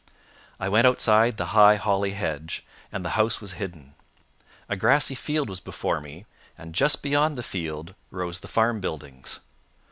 I went outside the high holly hedge, and the house was hidden. A grassy field was before me, and just beyond the field rose the farm buildings.